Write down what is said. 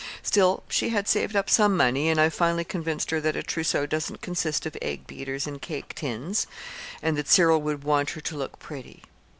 Still, she had saved up some money, and I've finally convinced her that a trousseau doesn't consist of egg beaters and cake tins, and that Cyril would want her to look pretty.